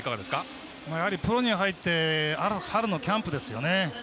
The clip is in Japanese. プロに入って春のキャンプですね。